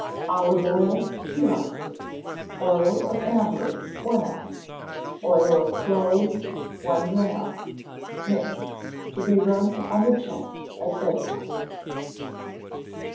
Olive oil, two ounces; oil of amber, one ounce; oil of cloves, one drachm. Mix: to be rubbed on the chest at bedtime.